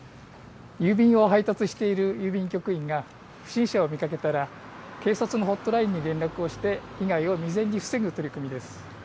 郵便を配達している郵便局員が不審者を見かけたら警察のホットラインに連絡をして被害を未然に防ぐ取り組みです。